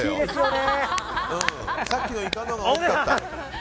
さっきのイカのほうが大きかった。